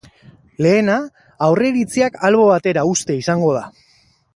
Lehena aurreritziak albo batera uztea izango da.